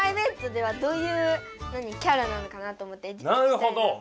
なるほど！